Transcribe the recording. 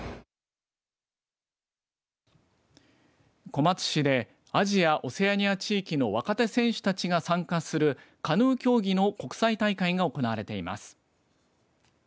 小松市でアジア・オセアニア地域の若手選手たちが参加するカヌー競技の国際大会が行われています。